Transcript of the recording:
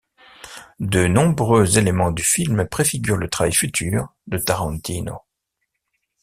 De nombreux éléments du film préfigurent le travail futur de Tarantino.